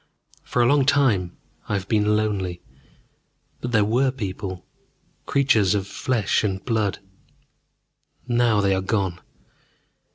For a long time I have been lonely, but there were people, creatures of flesh and blood. Now they are gone.